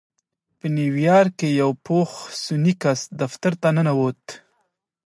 په نيويارک کې يو پوخ سنی کس دفتر ته ننوت.